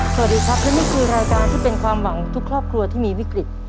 สวัสดีครับและนี่คือรายการที่เป็นความหวังของทุกครอบครัวที่มีวิกฤต